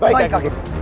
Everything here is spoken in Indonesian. baik kaki guru